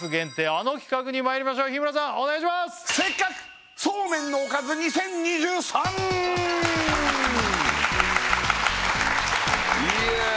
あの企画にまいりましょう日村さんお願いしますイエーイ！